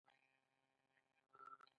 زه نن هامبولټ پوهنتون ته راغلی یم.